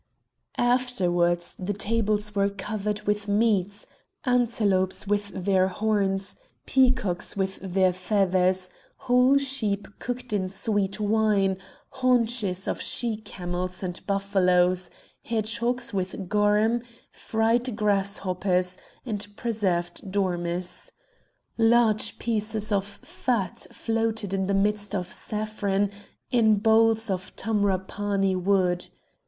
Afterwards the tables were covered with meats, antelopes with their horns, peacocks with their feathers, whole sheep cooked in sweet wine, haunches of she camels and buffaloes, hedgehogs with garum, fried grasshoppers, and preserved dormice. Large pieces of fat floated in the midst of saffron in bowls of Tamrapanni wood.